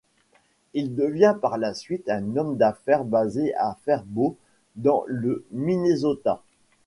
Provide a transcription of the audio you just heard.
Il devient par la suite un homme d'affaires basé à Fairbault dans le Minnesota.